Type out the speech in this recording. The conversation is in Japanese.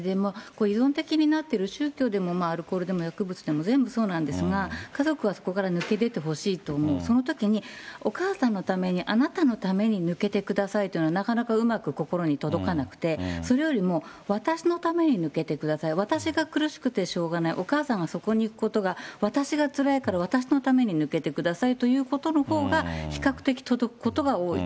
依存的になっている、宗教でもアルコールでも薬物でも全部そうなんですが、家族はそこから抜け出てほしいと思う、そのときに、お母さんのために、あなたのために抜けてくださいというのは、なかなかうまく心に届かなくて、それよりも私のために抜けてください、私が苦しくてしょうがない、お母さんがそこにいくことが、私がつらいから、私のために抜けてくださいということのほうが比較的届くことが多い。